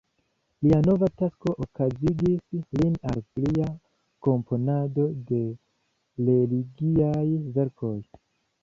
Lia nova tasko okazigis lin al plia komponado de religiaj verkoj.